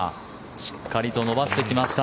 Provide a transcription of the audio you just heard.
しっかりと伸ばしてきました。